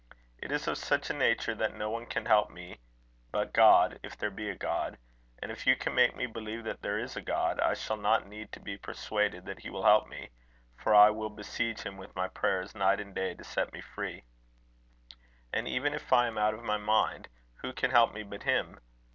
It is of such a nature that no one can help me but God, if there be a God; and if you can make me believe that there is a God, I shall not need to be persuaded that he will help me; for I will besiege him with prayers night and day to set me free. And even if I am out of my mind, who can help me but him?